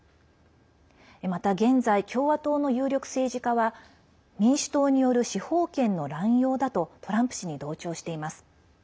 また現在、共和党の有力政治家は民主党による司法権の乱用だとトランプ氏に同調しています。